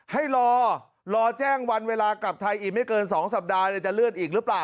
ให้รอรอแจ้งวันเวลากลับไทยอีกไม่เกิน๒สัปดาห์จะเลื่อนอีกหรือเปล่า